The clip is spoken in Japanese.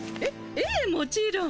ええもちろん。